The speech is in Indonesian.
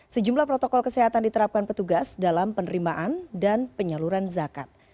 sejumlah protokol kesehatan diterapkan petugas dalam penerimaan dan penyaluran zakat